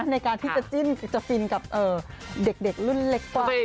ในการที่จะจิ้นจะฟินกับเด็กรุ่นเล็กกว่า